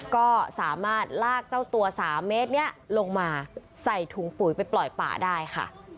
ก็สามารถลากเจ้าตัว๓เมตรนี้ลงมาใส่ถุงปุ๋ยไปปล่อยป่าได้ค่ะ